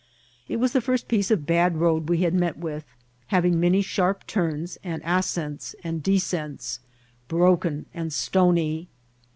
It was the first piece of bad road we had met with, hav^ ing many sharp turns, and asoents and desoests, broken and stony.